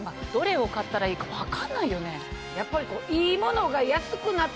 やっぱり。